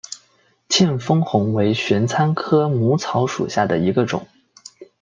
见风红为玄参科母草属下的一个种。